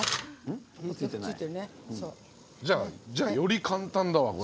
じゃあ、より簡単だわ。